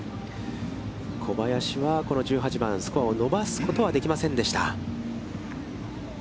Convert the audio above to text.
小林はこの１８番、スコアを伸ばすことはできませんでした。